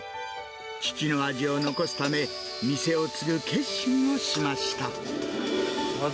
父の味を残すため、店を継ぐ決心をしました。